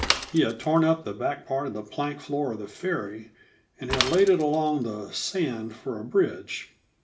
He had torn up the back part of the plank floor of the ferry, and had laid it along the sand for a bridge.